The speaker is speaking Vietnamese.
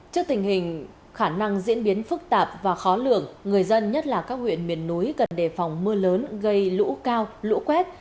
trước tình hình khả năng diễn biến phức tạp và khó lường người dân nhất là các huyện miền núi cần đề phòng mưa lớn gây lũ cao lũ quét